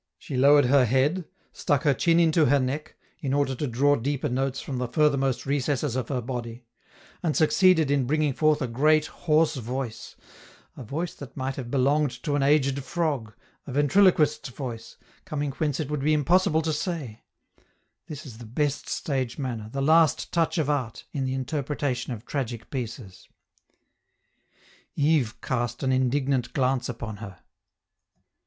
She lowered her head, stuck her chin into her neck, in order to draw deeper notes from the furthermost recesses of her body; and succeeded in bringing forth a great, hoarse voice a voice that might have belonged to an aged frog, a ventriloquist's voice, coming whence it would be impossible to say (this is the best stage manner, the last touch of art, in the interpretation of tragic pieces). Yves cast an indignant glance upon her.